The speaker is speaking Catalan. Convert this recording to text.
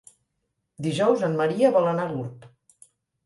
Dijous en Maria vol anar a Gurb.